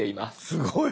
すごい！